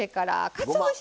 かつお節。